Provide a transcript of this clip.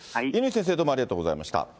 乾先生、どうもありがとうございました。